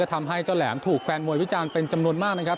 ทำให้เจ้าแหลมถูกแฟนมวยวิจารณ์เป็นจำนวนมากนะครับ